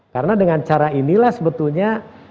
karena dengan cara inilah sebetulnya